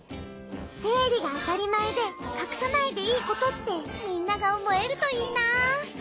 「せいり」があたりまえでかくさないでいいことってみんながおもえるといいな。